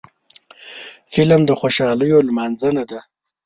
فلم د خوشحالیو لمانځنه ده